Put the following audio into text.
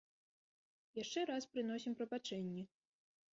Яшчэ раз прыносім прабачэнні.